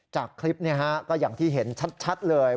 จากคลิปก็อย่างที่เห็นชัดเลย